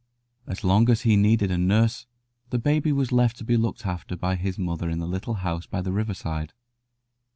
As long as he needed a nurse the baby was left to be looked after by his mother in the little house by the river side.